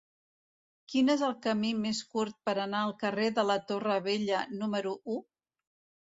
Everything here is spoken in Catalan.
Quin és el camí més curt per anar al carrer de la Torre Vella número u?